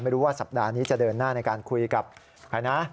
ไม่รู้ว่าสัปดาห์นี้จะเดินหน้าในการคุยกับใครนะ